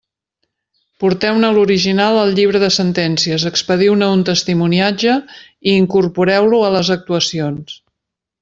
Porteu-ne l'original al llibre de sentències, expediu-ne un testimoniatge i incorporeu-lo a les actuacions.